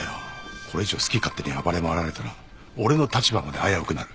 これ以上好き勝手に暴れ回られたら俺の立場まで危うくなる。